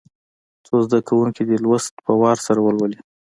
څو زده کوونکي دي لوست په وار سره ولولي.